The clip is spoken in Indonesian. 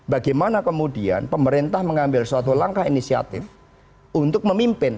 bagaimana kemudian pemerintah mengambil suatu langkah inisiatif untuk memimpin